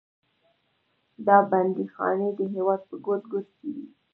دا بندیخانې د هېواد په ګوټ ګوټ کې وې.